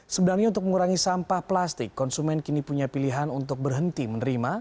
sebenarnya untuk mengurangi sampah plastik konsumen kini punya pilihan untuk berhenti menerima